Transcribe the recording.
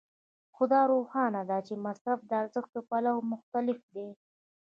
خو دا روښانه ده چې مصرف د ارزښت له پلوه مختلف دی